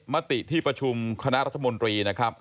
มติที่ประชุมคณะรัฐมนตรีนะครับ